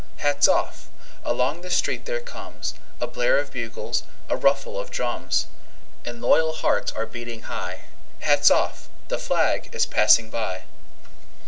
Hats off! Along the street there comesA blare of bugles, a ruffle of drums; And loyal hearts are beating high:Hats off! The flag is passing by!